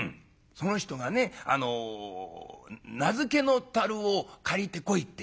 「その人がねあの菜漬けの樽を借りてこいって」。